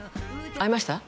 会いました？